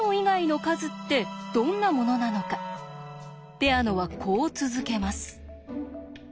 ペアノはこう続けます。